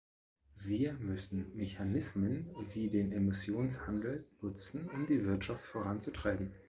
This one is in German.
Wir müssen Mechanismen wie den Emissionshandel nutzen, um die Wirtschaft voranzutreiben.